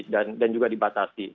dan dan juga dibatasi